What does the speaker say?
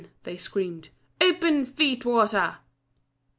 they screamed, "open, feet water!"